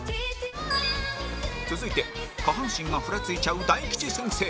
続いて下半身がふらついちゃう大吉先生